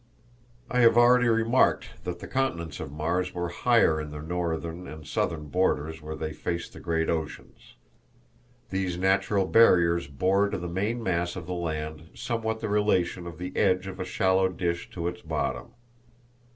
I have already remarked that the continents of Mars were higher on their northern and southern borders where they faced the great oceans. These natural barriers bore to the main mass of the land somewhat the relation of the edge of a shallow dish to its bottom.